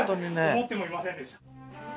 思ってもみませんでした。